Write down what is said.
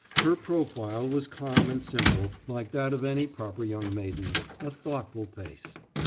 Her profile was calm and simple, like that of any proper young maiden, a thoughtful face.